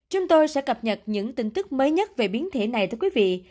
chúng tôi sẽ cập nhật những tin tức mới nhất về biến thể này tới quý vị